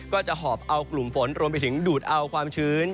ก็จะหอบเอากลุ่มฝนรวมไปถึงดูดเอาความชื้น